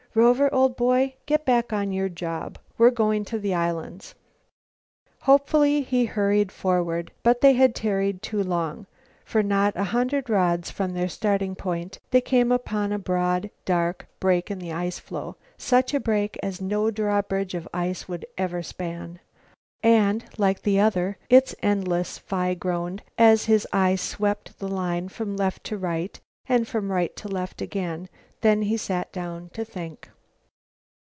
"Rover, old boy, get back on your job. We're going to the islands." Hopefully he hurried forward. But they had tarried too long, for, not a hundred rods from their starting point, they came upon a broad, dark break in the floe, such a break as no draw bridge of ice would ever span. "And, like the other, it's endless," Phi groaned as his eye swept the line from left to right and from right to left again; then he sat down to think.